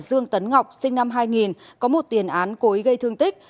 dương tấn ngọc sinh năm hai nghìn có một tiền án cố ý gây thương tích